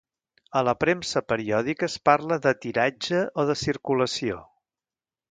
A la premsa periòdica es parla de tiratge o de circulació.